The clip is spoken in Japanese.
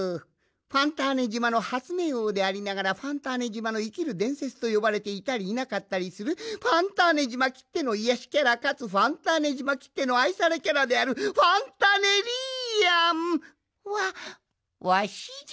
ファンターネ島の発明王でありながらファンターネ島の生きる伝説と呼ばれていたりいなかったりするファンターネ島きっての癒やしキャラかつファンターネ島きっての愛されキャラであるファンタネリアンはわしじゃ。